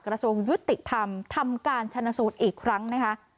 กระทรวงยุติธรรมทำการชนสูตรอีกครั้งนะคะ